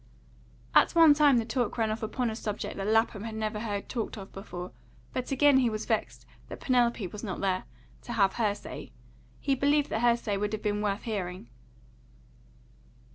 At one time the talk ran off upon a subject that Lapham had never heard talked of before; but again he was vexed that Penelope was not there, to have her say; he believed that her say would have been worth hearing.